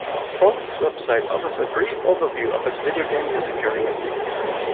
Follin's website offers a brief overview of his video game music career.